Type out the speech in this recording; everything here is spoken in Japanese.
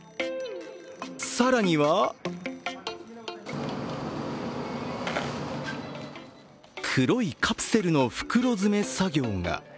更には黒いカプセルの袋詰め作業が。